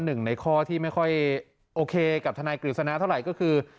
หนึ่งในข้อที่ไม่ค่อยโอเคกับทนายกฤษณะเท่าไหร่ก็คือ